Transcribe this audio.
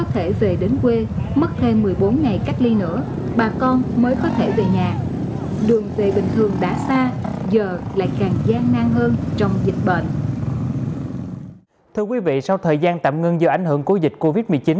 thưa quý vị sau thời gian tạm ngưng do ảnh hưởng của dịch covid một mươi chín